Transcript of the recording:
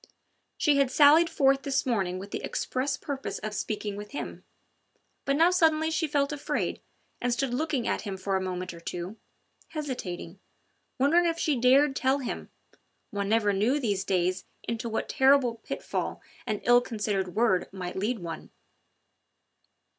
She had sallied forth this morning with the express purpose of speaking with him; but now suddenly she felt afraid, and stood looking at him for a moment or two, hesitating, wondering if she dared tell him one never knew these days into what terrible pitfall an ill considered word might lead one.